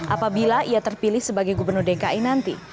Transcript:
apabila ia terpilih sebagai gubernur dki nanti